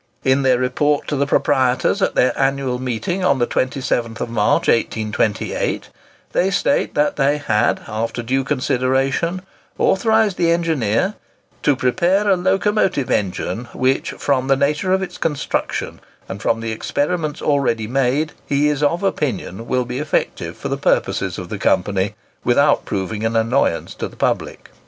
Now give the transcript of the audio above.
In their report to the proprietors at their annual meeting on, the 27th March, 1828, they state that they had, after due consideration, authorised the engineer "to prepare a locomotive engine, which, from the nature of its construction and from the experiments already made, he is of opinion will be effective for the purposes of the Company, without proving an annoyance to the public."